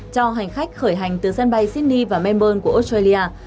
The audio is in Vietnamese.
cho hành khách khởi hành từ sân bay sydney và melburne của australia